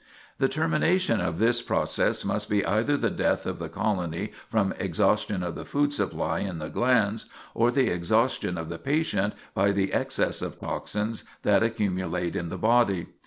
The termination of this process must be either the death of the colony from exhaustion of the food supply in the glands, or the exhaustion of the patient by the excess of toxins that accumulate in the body.